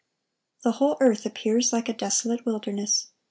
(1141) The whole earth appears like a desolate wilderness.